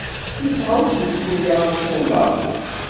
Yesɛa usensu-a aṣuna?